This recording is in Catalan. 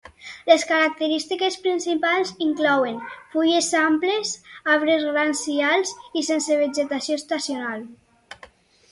Les característiques principals inclouen: fulles amples, arbres grans i alts i sense vegetació estacional.